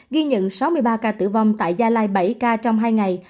ghi nhận sáu mươi ba ca tử vong tại gia lai bảy ca trong hai ngày